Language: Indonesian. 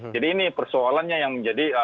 jadi ini persoalannya yang menjadi